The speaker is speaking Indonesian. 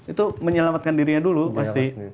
itu menyelamatkan dirinya dulu pasti